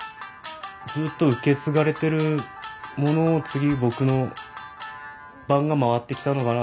ずっと受け継がれてるものを次僕の番が回ってきたのかなと思って。